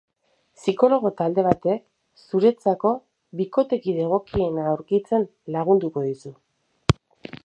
Psikologo talde batek zuretzako bikotekide egokiena aurkitzen lagunduko dizu.